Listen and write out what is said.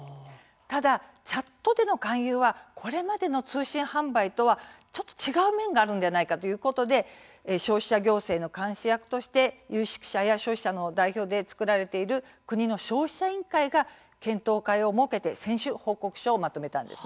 ただ、チャットでの勧誘はこれまでの通信販売とはちょっと違う面があるのではないかということで消費者行政の監視役として有識者や消費者の代表で作られている国の消費者委員会が検討会を設けて先週報告書をまとめたんです。